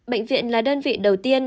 bệnh viện là đơn vị đầu tiên